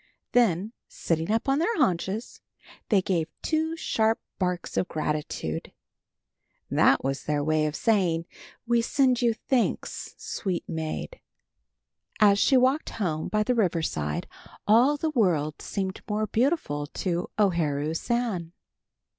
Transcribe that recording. Then, sitting up on their haunches, they gave two sharp barks of gratitude. That was their way of saying, "We send you thanks, sweet maid." As she walked home by the river side, all the world seemed more beautiful to O Haru San.